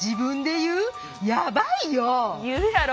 言うやろ。